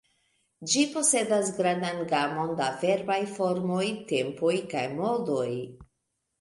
Ĝi posedas grandan gamon da verbaj formoj, tempoj kaj modoj.